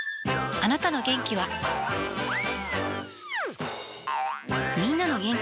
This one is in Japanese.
あなたの元気はみんなの元気でもあるから